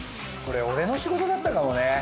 これ俺の仕事だったかもね。